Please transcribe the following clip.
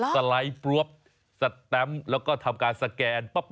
สไลด์ปรวบสแตมป์แล้วก็ทำการสแกนปั๊บ